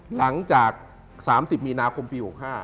หลังจาก๓๐มีนาคมปี๖๕